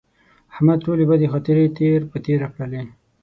احمد ټولې بدې خاطرې تېر په تېره کړلې.